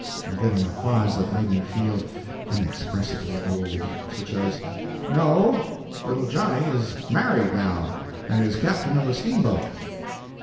and getting replies that made me feel inexpressibly old—such as, "No, little Johnny is married now, and is Captain of a steamboat."